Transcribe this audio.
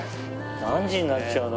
何時になっちゃうの？